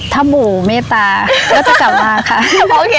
ถ้าบู่ไม๊ปลาก็จะกลับมานะคะ